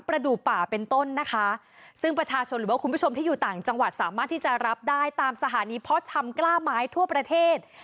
กระดูกป่าเป็นต้นนะคะซึ่งประชาชนหรือว่าคุณผู้ชมที่อยู่ต่างจังหวัดสามารถที่จะรับได้ตามสถานีเพาะชำกล้าไม้ทั่วประเทศ